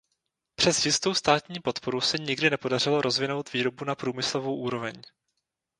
Přes jistou státní podporu se nikdy nepodařilo rozvinout výrobu na průmyslovou úroveň.